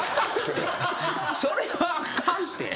それはあかんて。